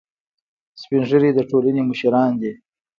سپین ږیری د ټولنې مشران دي